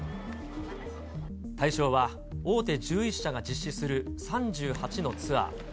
対象は大手１１社が実施する３８のツアー。